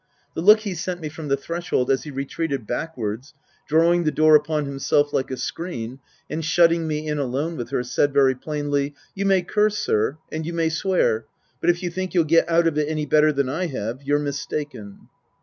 The look he sent me from the threshold as he retreated back wards, drawing the door upon himself like a screen and shutting me in alone with her, said very plainly, " You may curse, sir, and you may swear; but if you think you'll get out of it any better than I have you're mis taken."